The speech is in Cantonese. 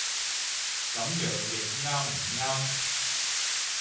噉樣譯啱唔啱